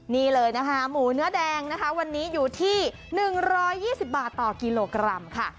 นี่เลยนะคะหมูเนื้อแดงนะคะวันนี้อยู่ที่๑๒๐บาทต่อกิโลกรัมค่ะ